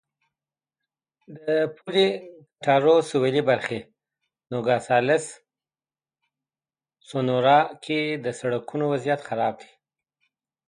د پولې کټارو سوېلي برخه نوګالس سونورا کې د سړکونو وضعیت خراب دی.